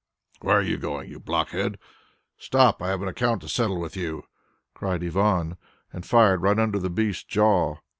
"Where are you going, you blockhead? Stop, I have an account to settle with you," cried Ivan, and fired right under the beast's jaw.